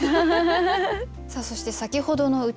さあそして先ほどの歌